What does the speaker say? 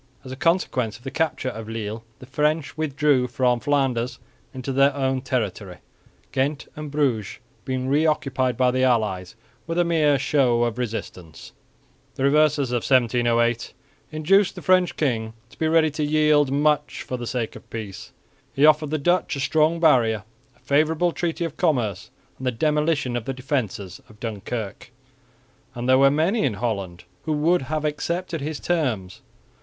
As a consequence of the capture of Lille, the French withdrew from Flanders into their own territory, Ghent and Bruges being re occupied by the allies with a mere show of resistance. The reverses of 1708 induced the French king to be ready to yield much for the sake of peace. He offered the Dutch a strong barrier, a favourable treaty of commerce and the demolition of the defences of Dunkirk; and there were many in Holland who would have accepted his terms.